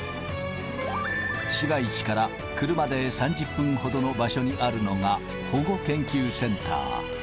市街地から車で３０分ほどの場所にあるのが、保護研究センター。